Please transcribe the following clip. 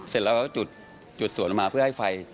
เสร็จแล้วก็จุดสวนออกมาเพื่อให้ไฟ